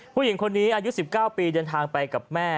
ผู้หญิงคนนี้อายุ๑๙ปีเดินทางไปกับแม่